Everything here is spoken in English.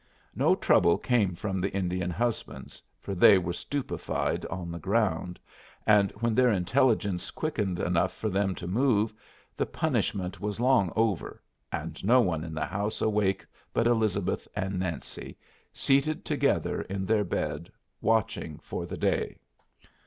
No trouble came from the Indian husbands, for they were stupefied on the ground, and when their intelligences quickened enough for them to move, the punishment was long over and no one in the house awake but Elizabeth and Nancy, seated together in their bed, watching for the day.